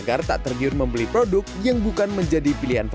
agar tak tergiur membeli produk yang bukan menjadi pilihan